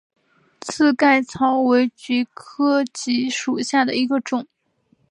刺盖草为菊科蓟属下的一个种。